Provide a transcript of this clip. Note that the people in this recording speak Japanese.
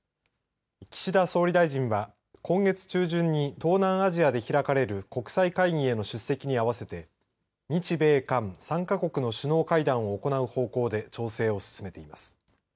岸田総理大臣は今月中旬に東南アジアで開かれる国際会議への出席に併せて日米韓３か国の首脳会談を行う方向で調整を進めています。